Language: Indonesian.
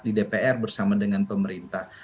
pertama nanti kita akan melakukan perjuangan